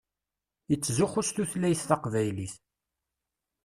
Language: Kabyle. Yettzuxxu s tutlayt taqbaylit.